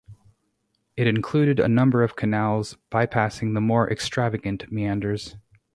It included a number of canals bypassing the more extravagant meanders.